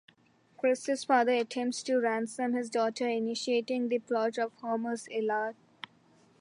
Chryseis's father attempts to ransom his daughter, initiating the plot of Homer's "Iliad".